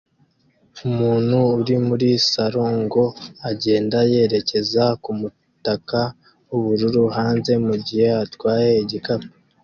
Umuntu uri muri sarong agenda yerekeza kumutaka wubururu hanze mugihe atwaye igikapu